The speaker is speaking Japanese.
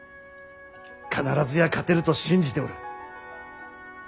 必ずや勝てると信じておる。